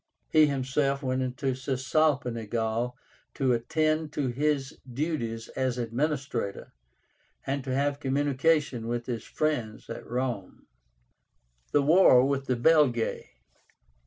He himself went into Cisalpine Gaul to attend to his duties as administrator, and to have communication with his friends at Rome. THE WAR WITH THE BELGAE.